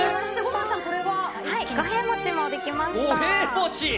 五平餅もできました。